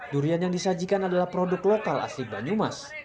durian yang disajikan adalah produk lokal asli banyumas